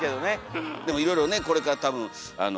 でもいろいろねこれから多分みわこちゃん